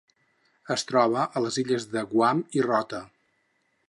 Es troba a les illes de Guam i Rota.